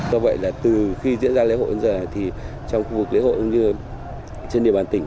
do vậy là từ khi diễn ra lễ hội đến giờ thì trong khu vực lễ hội cũng như trên địa bàn tỉnh